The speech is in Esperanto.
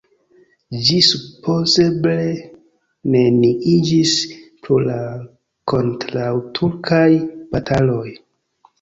Ĝi supozeble neniiĝis pro la kontraŭturkaj bataloj.